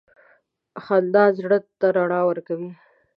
• خندا زړه ته رڼا ورکوي.